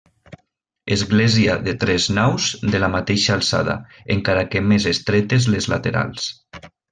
Església de tres naus de la mateixa alçada, encara que més estretes les laterals.